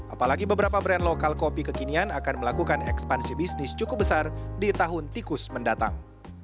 apalagi beberapa brand lokal kopi kekinian akan melakukan ekspansi bisnis cukup besar di tahun tikus mendatang